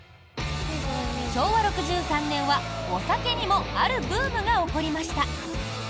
昭和６３年は、お酒にもあるブームが起こりました。